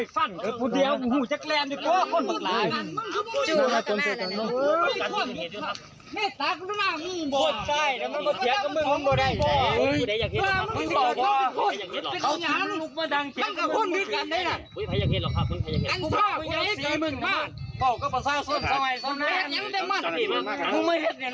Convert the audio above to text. ใส่เออส่องปิดไปนอดการก็ได้ค่ะใส่อ่าใส่อีกนิด